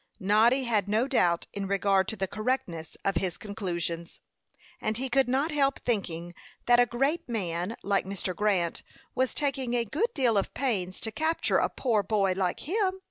Noddy had no doubt in regard to the correctness of his conclusions; and he could not help thinking that a great man, like Mr. Grant, was taking a good deal of pains to capture a poor boy, like him.